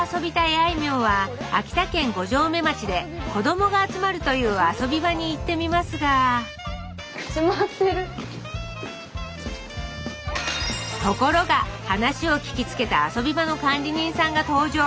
あいみょんは秋田県五城目町で子どもが集まるというあそび場に行ってみますがところが話を聞きつけたあそび場の管理人さんが登場。